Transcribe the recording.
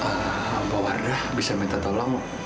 apa wardah bisa minta tolong